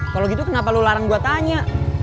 kalau gitu kenapa lo larang gue tanya